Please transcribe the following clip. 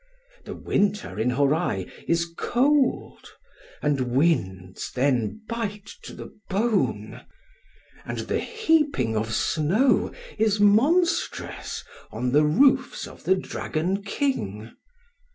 The winter in Hōrai is cold;—and winds then bite to the bone; and the heaping of snow is monstrous on the roofs of the Dragon King.